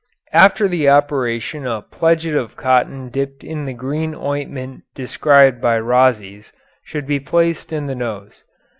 After the operation a pledget of cotton dipped in the green ointment described by Rhazes should be placed in the nose.